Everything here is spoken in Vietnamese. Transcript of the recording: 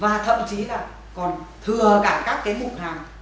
và thậm chí là còn thừa cả các cái mục hàng